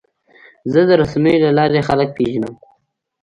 زه د رسنیو له لارې خلک پیژنم.